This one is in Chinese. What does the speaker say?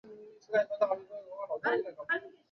南朝梁元帝萧绎的贵嫔。